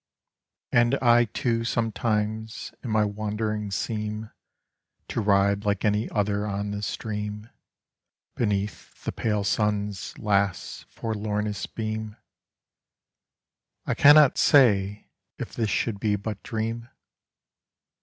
And I too sometimes in my wandering seem To ride like any other on the stream Beneath the pale sun's last forlornest beam. I cannot say if this should be but dream.